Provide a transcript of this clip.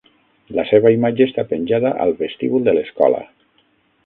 La seva imatge està penjada al vestíbul de l'escola.